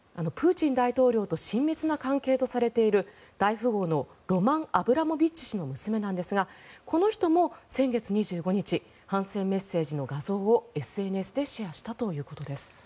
プーチン大統領と親密な関係とされている大富豪のロマン・アブラモビッチ氏の娘なんですがこの人も先月２５日反戦メッセージの画像をＳＮＳでシェアしたということです。